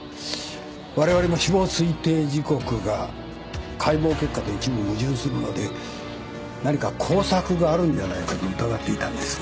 われわれも死亡推定時刻が解剖結果と一部矛盾するので何か工作があるんじゃないかと疑っていたんですが。